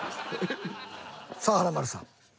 さあ華丸さん。